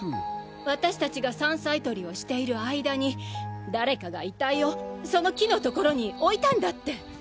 私達が山菜採りをしている間に誰かが遺体をその木の所に置いたんだって！